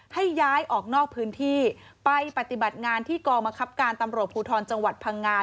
ให้ย้ายออกนอกพื้นที่ไปปฏิบัติงานที่กองมะครับการตำรวจภูทรจังหวัดพังงา